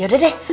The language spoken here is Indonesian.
ya sudah deh